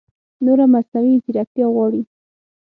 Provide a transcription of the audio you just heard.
نوره مصنعوي ځېرکتیا غواړي